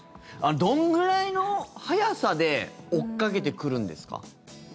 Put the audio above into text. どんぐらいの速さで追っかけてくるんですか？